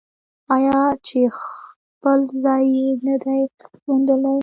آیا چې خپل ځای یې نه دی موندلی؟